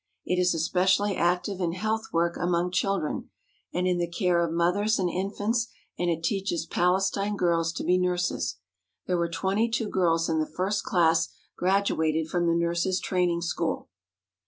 It is especially active in health work among children, and in the care of mothers and infants, and it teaches Palestine girls to be nurses. There were twenty two girls in the first class graduated from the nurses' train ing school.